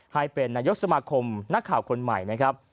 ให้เป็นนายกสมาคมนักข่าวคนใหม่นะครับ